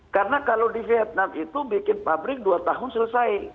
karena kalau di vietnam itu bikin pabrik dua tahun selesai